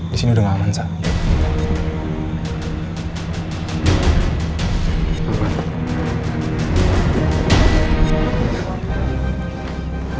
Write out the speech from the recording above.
disini udah gak aman sa